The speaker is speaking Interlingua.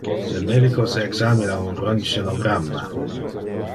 Le medicos examina un röntgenogramma.